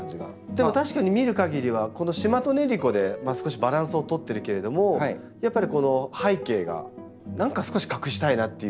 でも確かに見るかぎりはこのシマトネリコで少しバランスを取ってるけれどもやっぱりこの背景が何か少し隠したいなっていうような。